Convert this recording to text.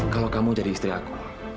kalau kamu jadi istri aku